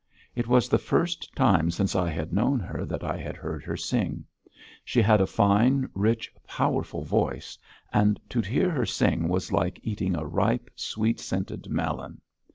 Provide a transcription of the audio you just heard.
It was the first time since I had known her that I had heard her sing. She had a fine, rich, powerful voice, and to hear her sing was like eating a ripe, sweet scented melon.